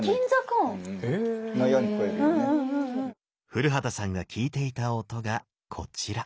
古畑さんが聴いていた音がこちら。